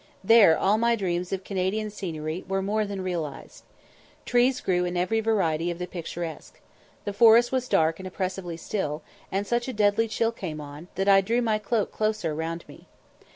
There all my dreams of Canadian scenery were more than realised. Trees grew in every variety of the picturesque. The forest was dark and oppressively still, and such a deadly chill came on, that I drew my cloak closer around me.